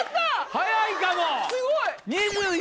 早いかも！